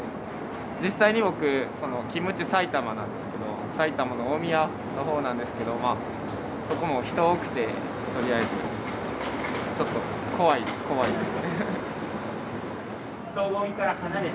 実際に僕その勤務地埼玉なんですけど埼玉の大宮の方なんですけどまあそこも人多くてとりあえずちょっと怖い怖いです。